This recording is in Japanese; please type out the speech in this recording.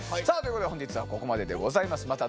さあということで本日はここまででございます。